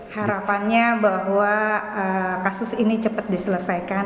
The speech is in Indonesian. harapannya bahwa kasus ini cepat diselesaikan